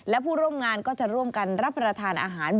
และผู้ร่วมงานก็จะร่วมกันรับประทานอาหาร